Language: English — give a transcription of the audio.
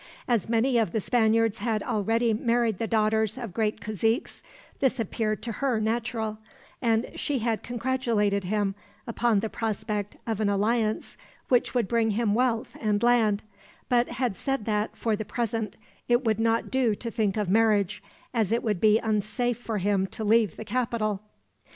As many of the Spaniards had already married the daughters of great caziques, this appeared to her natural; and she had congratulated him upon the prospect of an alliance which would bring him wealth and land, but had said that, for the present, it would not do to think of marriage, as it would be unsafe for him to leave the capital.